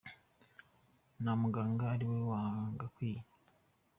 na muganga ari we wagakwiye